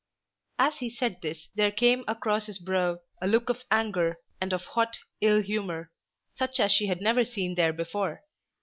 As he said this there came across his brow a look of anger and of hot ill humour, such as she had never seen there before.